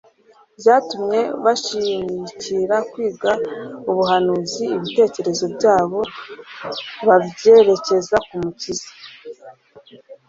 Byatumye bashimikira kwiga ubuhanuzi, ibitekerezo byabo babyerekeza ku Mukiza,